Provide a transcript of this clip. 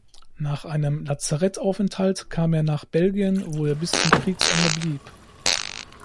Nach einem Lazarettaufenthalt kam er nach Belgien, wo er bis zum Kriegsende blieb.